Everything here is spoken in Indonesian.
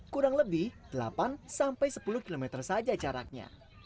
kurang lebih delapan sampai sepuluh km saja jaraknya